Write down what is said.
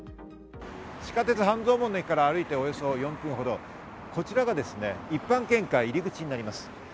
地下鉄・半蔵門の駅から歩いて４分ほど、こちらが一般献花、入り口になります。